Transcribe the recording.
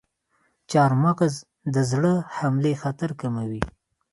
چارمغز د زړه حملې خطر کموي.